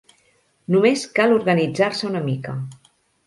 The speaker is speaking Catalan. Només cal organitzar-se una mica.